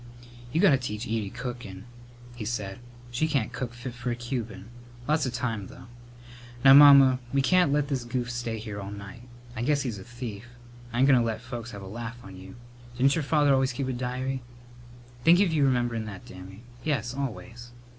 "You got to teach Edie cookin'," he said. "She can't cook fit for a Cuban. Lots of time, though. Now, Mamma, we can't let this goof stay here all night. I guess he's a thief. I ain't goin' to let the folks have a laugh on you. Didn't your father always keep a diary?" "Think of your rememberin' that, Dammy! Yes, always."